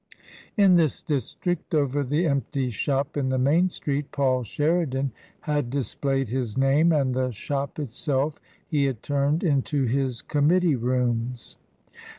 In this district, over the empty shop in the main street, Paul Sheridan had displayed his name, and the shop itself he had turned into his committee rooms.